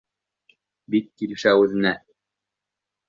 Бик килешә үҙеңә!